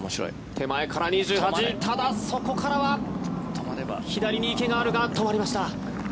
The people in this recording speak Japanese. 手前から２８ただ、そこからは左に池があるが止まりました。